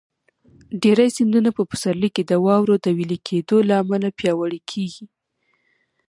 ډېری سیندونه په پسرلي کې د واورو د وېلې کېدو له امله پیاوړي کېږي.